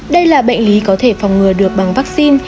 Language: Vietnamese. đây là bệnh lý có thể phòng ngừa được bằng vaccine